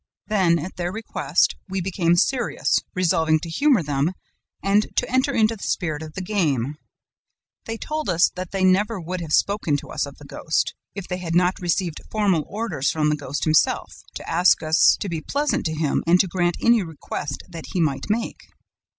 Then, at their request, we became 'serious,' resolving to humor them and to enter into the spirit of the game. They told us that they never would have spoken to us of the ghost, if they had not received formal orders from the ghost himself to ask us to be pleasant to him and to grant any request that he might make.